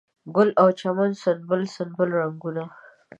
ګل او چمن سنبل، سنبل رنګونه